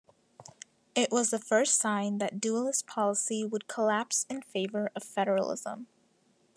It was the first sign that dualist policy would collapse in favour of federalism.